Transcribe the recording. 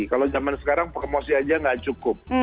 kalau zaman sekarang promosi aja nggak cukup